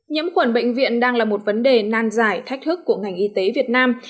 nhiễm khuẩn bệnh viện đang là một vấn đề nan giải thách thức của ngành y tế việt nam